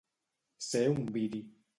Ser un viri.